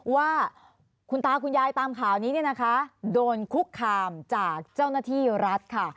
ว่าคุณตาคุณยายตามข่าวนี้เนี่ยนะคะโดนคุกคามจากเจ้าหน้าที่รัฐค่ะ